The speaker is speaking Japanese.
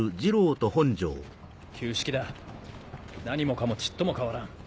旧式だ何もかもちっとも変わらん。